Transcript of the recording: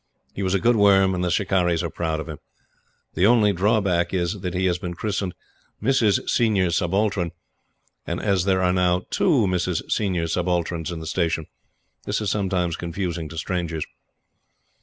He was a good Worm; and the "Shikarris" are proud of him. The only drawback is that he has been christened "Mrs. Senior Subaltern;" and as there are now two Mrs. Senior Subalterns in the Station, this is sometimes confusing to strangers.